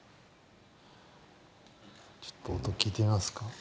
ちょっと音聴いてみますか。